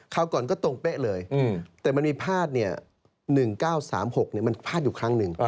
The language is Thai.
ก่อนก็ตรงเป๊ะเลยแต่มันมีพาด๑๙๓๖มันพลาดอยู่ครั้งหนึ่ง